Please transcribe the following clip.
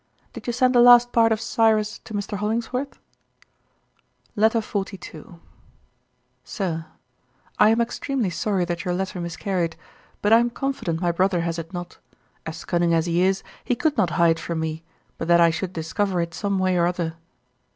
Did you send the last part of Cyrus to Mr. Hollingsworth? Letter 42. SIR, I am extremely sorry that your letter miscarried, but I am confident my brother has it not. As cunning as he is, he could not hide from me, but that I should discover it some way or other.